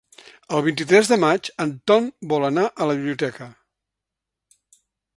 El vint-i-tres de maig en Ton vol anar a la biblioteca.